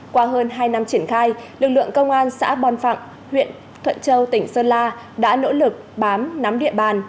qua hơn hai năm triển khai lực lượng công an xã bon phẳng huyện thuận châu tỉnh sơn la đã nỗ lực bám nắm địa bàn